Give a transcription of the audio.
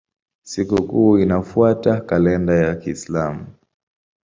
Sikukuu inafuata kalenda ya Kiislamu.